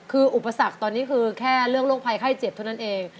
คืออุปสรรคตอนนี้คือแค่เรื่องโรคภัยไข้เจ็บเท่านั้นเอง